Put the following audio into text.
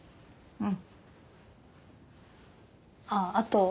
うん？